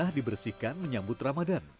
benah dibersihkan menyambut ramadan